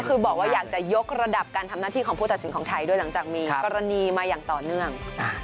ก็คือบอกว่าอยากจะยกระดับการทำหน้าที่ของผู้ตัดสินของไทยด้วยหลังจากมีกรณีมาอย่างต่อเนื่อง